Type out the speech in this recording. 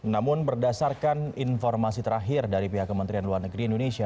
namun berdasarkan informasi terakhir dari pihak kementerian luar negeri indonesia